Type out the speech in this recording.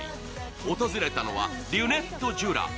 訪れたのはリュネット・ジュラ。